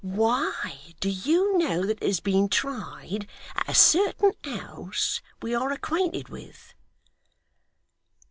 Why, do you know that it has been tried, at a certain house we are acquainted with?